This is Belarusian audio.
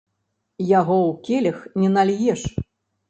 Яго ў келіх не нальеш.